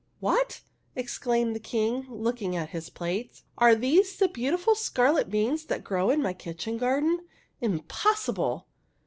" What ?" exclaimed the King, looking at his plate. "Are these the beautiful scarlet beans that grow in my kitchen garden? Im possible